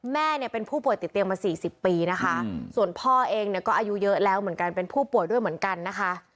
แม่เนี่ยเป็นผู้ป่วยติดเตียงมา๔๐ปีนะคะส่วนพ่อเองเนี่ยก็อายุเยอะแล้วเหมือนกันเป็นผู้ป่วยด้วยเหมือนกันนะคะ